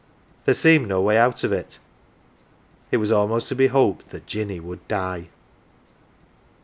There seemed no way 'out of it it was almost to be hoped that Jinny would die.